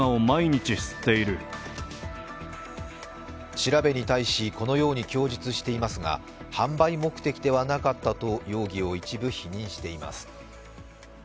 調べに対しこのように供述していますが販売目的ではなかったと容疑を一部否認しています。